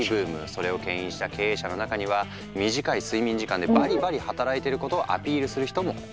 それをけん引した経営者の中には短い睡眠時間でバリバリ働いていることをアピールする人も。